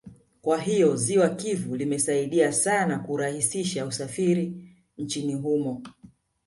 Kwa hiyo ziwa Kivu limesaidia sana kurahisisha usafiri nchini humo